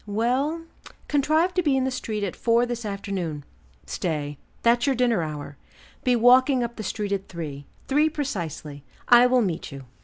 "Well contrive to be in the street at four this afternoon. Stay, that's your dinner hour; be walking up the street at three, three precisely; I will meet you."